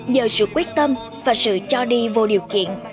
nhờ sự quyết tâm và sự cho đi vô điều kiện